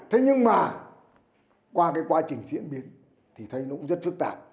thế nhưng mà qua cái quá trình diễn biến thì thấy nó cũng rất phức tạp